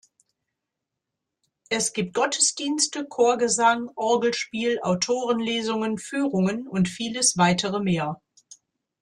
Es gibt Gottesdienste, Chorgesang, Orgelspiel, Autorenlesungen, Führungen und vieles weitere mehr.